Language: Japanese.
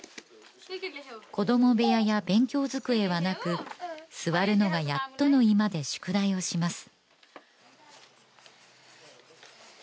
子ども部屋や勉強机はなく座るのがやっとの居間で宿題をします